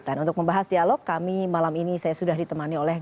dan untuk membahas dialog kami malam ini saya sudah ditemani oleh